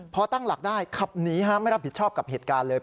พอตั้งหลักได้ขับหนีไม่รับผิดชอบกับเหตุการณ์เลย